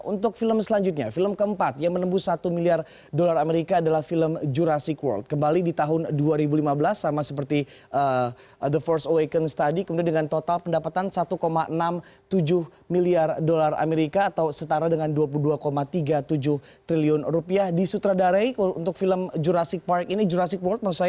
untuk film selanjutnya film keempat yang menembus satu miliar dolar amerika adalah film jurassic world